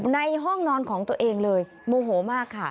ในห้องนอนของตัวเองเลยโมโหมากค่ะ